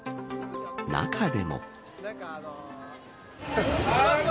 中でも。